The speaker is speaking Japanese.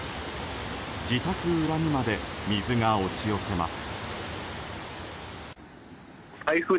自宅裏にまで水が押し寄せます。